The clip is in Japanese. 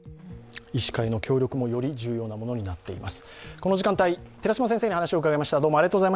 医師会の協力もより重要なものになっています。